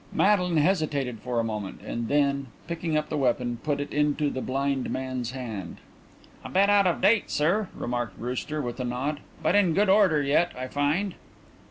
Madeline hesitated for a moment, and then, picking up the weapon, put it into the blind man's hand. "A bit out of date, sir," remarked Brewster, with a nod. "But in good order yet, I find."